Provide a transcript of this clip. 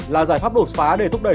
là giải pháp đột phá để thúc đẩy